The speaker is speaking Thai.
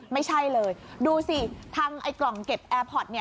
ไม่ใช่เลยดูสิทางกล่องเก็บแอร์พอร์ต